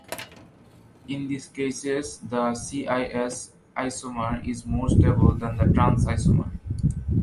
In these cases, the "cis" isomer is more stable than the "trans" isomer.